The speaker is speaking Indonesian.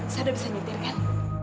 saya udah bisa nyetir kan